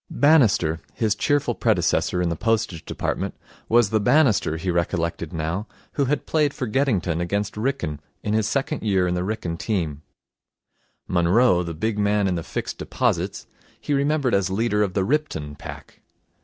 Bannister, his cheerful predecessor in the Postage Department, was the Bannister, he recollected now, who had played for Geddington against Wrykyn in his second year in the Wrykyn team. Munroe, the big man in the Fixed Deposits, he remembered as leader of the Ripton pack.